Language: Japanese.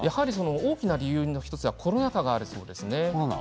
大きな理由の１つがコロナ禍だそうです。